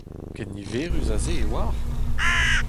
Ken niverus ha se e oac'h ?